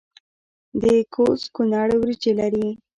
د کوز کونړ وریجې لري